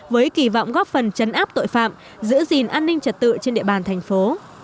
với kỳ vọng góp phần chấn áp tội phạm giữ gìn an ninh trật tự trên địa bàn thành phố